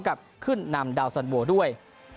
ขึ้นนำดาวน์สันโบด้วย